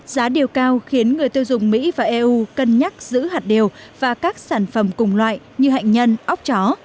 giá điều cao khiến người tiêu dùng mỹ và eu cân nhắc giữ hạt điều và các sản phẩm cùng loại như hạnh nhân ốc chó